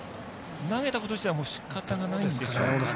投げたこと自体はしかたがないんですかね。